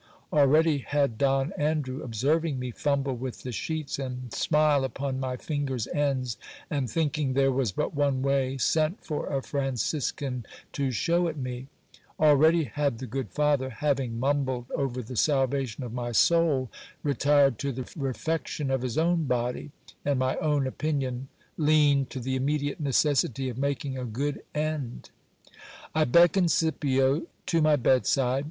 Already had Don Andrew, observing me fumble with the sheets, and smile upon my fingers' ends, and thinking there was but one way, sent for a Franciscan to shew it me : already had the good father, having mumbled over the salvation of my soul, retired to the refection of his own body : and my own opinion leaned to the immediate necessity of making a good end. I beckoned Scipio to my bedside.